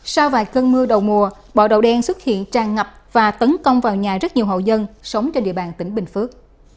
sau vài cơn mưa đầu mùa bọ đậu đen xuất hiện tràn ngập và tấn công vào nhà rất nhiều hậu dân sống trên địa bàn tỉnh bình phước